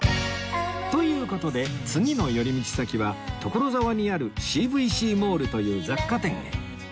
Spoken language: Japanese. という事で次の寄り道先は所沢にある Ｃ．Ｖ．Ｃ モールという雑貨店へ